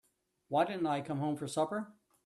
Why didn't I come home for supper?